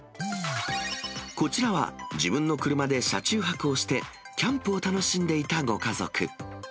こちらは、自分の車で車中泊をして、キャンプを楽しんでいたご家族。